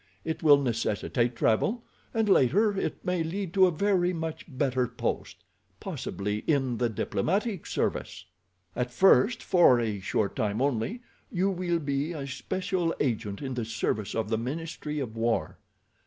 It will necessitate travel, and later it may lead to a very much better post—possibly in the diplomatic service. "At first, for a short time only, you will be a special agent in the service of the ministry of war.